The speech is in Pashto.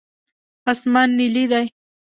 اسمان نیلي دی.